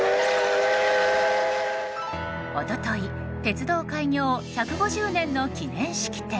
一昨日、鉄道開業１５０年の記念式典。